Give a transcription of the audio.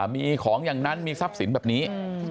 มีของอย่างนั้นมีทรัพย์สินแบบนี้